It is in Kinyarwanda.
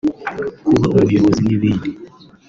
kuba umuyobozi n’ibindi